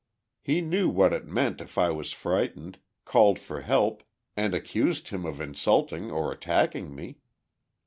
He knew what it meant if I was frightened, called for help, and accused him of insulting or attacking me.